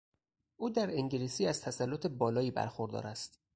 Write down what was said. او در انگلیسی از تسلط بالایی برخوردار است.